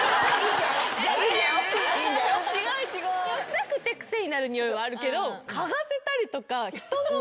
臭くて癖になるにおいはあるけど。